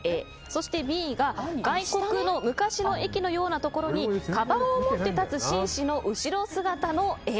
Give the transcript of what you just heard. そしてＢが外国の昔の駅のようなところにかばんを持って立つ紳士の後ろ姿の絵。